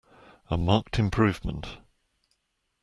A marked improvement.